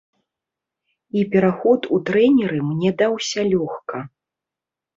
І пераход у трэнеры мне даўся лёгка.